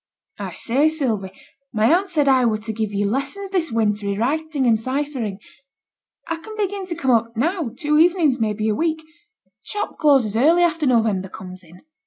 'I say, Sylvie! My aunt said I were to give you lessons this winter i' writing and ciphering. I can begin to come up now, two evenings, maybe, a week. T' shop closes early after November comes in.'